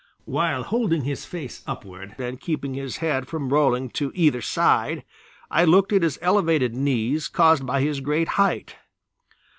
While holding his face upward and keeping his head from rolling to either side, I looked at his elevated knees caused by his great height.